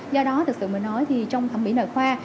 do đó thực sự mới nói thì trong thẩm mỹ nội khoa